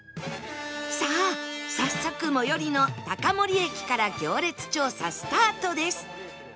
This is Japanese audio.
さあ早速最寄りの高森駅から行列調査スタートです